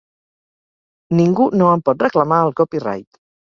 Ningú no en pot reclamar el copyright.